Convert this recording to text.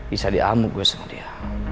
ini tadi amuk gue sama dia